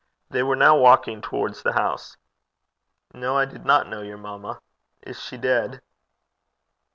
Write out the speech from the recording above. They were now walking towards the house. 'No, I did not know your mamma. Is she dead?'